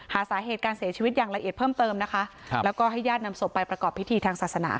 หาสาเหตุการเสียชีวิตอย่างละเอียดเพิ่มเติมนะคะครับแล้วก็ให้ญาตินำศพไปประกอบพิธีทางศาสนา